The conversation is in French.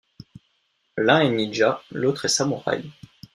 L'un est ninja, l'autre est samouraï...